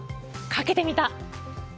かけてみた！